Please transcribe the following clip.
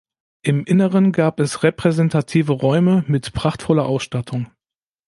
Im Inneren gab es repräsentative Räume mit prachtvoller Ausstattung.